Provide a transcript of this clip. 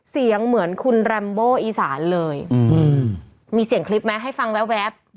เสียงเหมือนคุณแรมโบอีสานเลยมีเสียงคลิปไหมให้ฟังแว๊บ